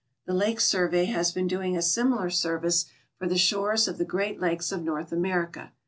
The Lake Survey has been doing a similar service for the shores of the Great Lakes of North America.